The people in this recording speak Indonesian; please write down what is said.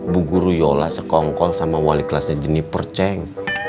bu guru yola sekongkol sama wali kelasnya jeniper ceng